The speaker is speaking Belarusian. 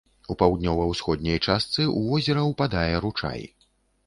У паўднёва-ўсходняй частцы ў возера ўпадае ручай.